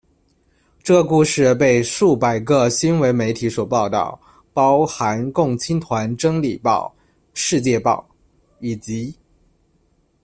这个故事被数百个新闻媒体所报导，包含共青团真理报、、世界报、以及。